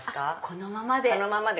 このままで。